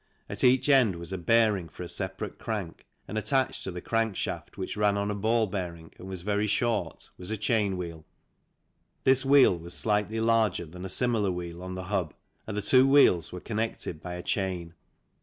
At each end was a bearing for a separate crank, and attached to the crank shaft, which ran on a ball bearing and was very short, was a chain wheel. This wheel was slightly larger than a similar wheel on the hub and the two wheels were connected by a chain.